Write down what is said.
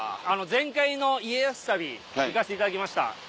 前回の家康旅行かせていただきました。